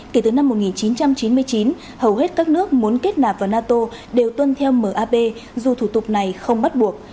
kể từ năm một nghìn chín trăm chín mươi chín hầu hết các nước muốn kết nạp vào nato đều tuân theo map dù thủ tục này không bắt buộc